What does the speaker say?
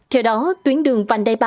theo đó tuyến đường vành đai ba